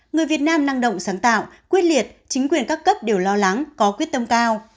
người việt nam năng động sáng tạo quyết liệt chính quyền các cấp đều lo lắng có quyết tâm cao